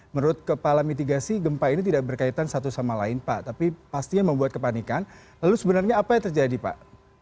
menurut kepala mitigasi gempa ini tidak berkaitan satu sama lain pak tapi pastinya membuat kepanikan lalu sebenarnya apa yang terjadi pak